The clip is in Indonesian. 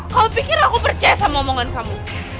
kau pikir aku percaya sama omongan kamu